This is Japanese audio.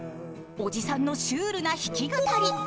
おじさんのシュールな弾き語り。